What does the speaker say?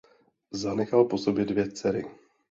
Zanechal po sobě dvě dcery.